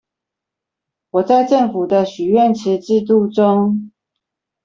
我在政府的許願池制度中